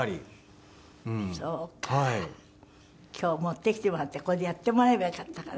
そうか今日持ってきてもらってここでやってもらえばよかったかな。